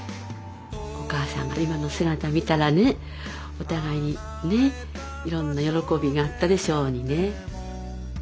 お母さんが今の姿見たらねお互いにねいろんな喜びがあったでしょうにね。